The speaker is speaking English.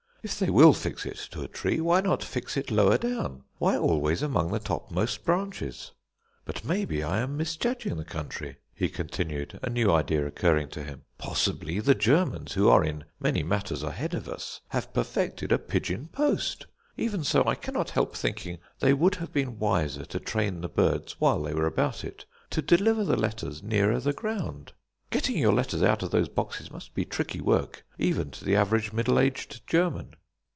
If they will fix it to a tree, why not fix it lower down, why always among the topmost branches? But, maybe, I am misjudging the country," he continued, a new idea occurring to him. "Possibly the Germans, who are in many matters ahead of us, have perfected a pigeon post. Even so, I cannot help thinking they would have been wiser to train the birds, while they were about it, to deliver the letters nearer the ground. Getting your letters out of those boxes must be tricky work even to the average middle aged German."